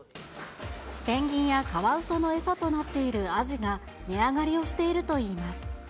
ペンギンやカワウソの餌となっているアジが、値上がりをしているといいます。